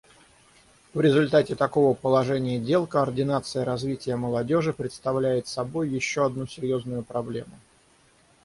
В результате такого положения дел координация развития молодежи представляет собой еще одну серьезную проблему.